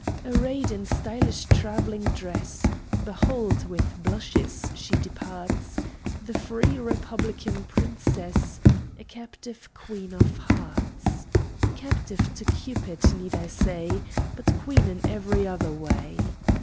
Arrayed in stylish trav'lling dress, Behold, with blushes she departs! The free Republican Princess A captive Queen of Hearts! (Captive to Cupid, need I say? But Queen in ev'ry other way!)